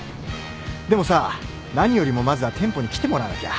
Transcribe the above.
でもさ何よりもまずは店舗に来てもらわなきゃ。